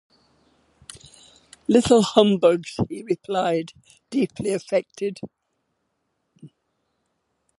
‘Little humbugs,’ he replied, deeply affected.